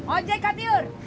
ojek kak tiur